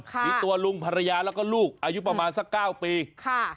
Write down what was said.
มีตัวลุงภรรยาแล้วก็ลูกอายุประมาณสักเก้าปีค่ะ